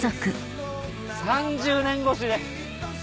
３０年越しで。